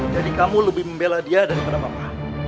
jadi kamu lebih membela dia daripada papa